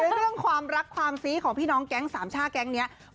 เรื่องความรักความซี้ของพี่น้องแก๊งสามชาติแก๊งนี้